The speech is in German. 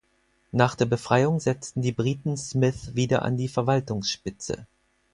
Nach der Befreiung setzten die Briten Smith wieder an die Verwaltungsspitze.